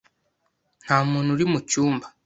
Nta muntu uri mu cyumba.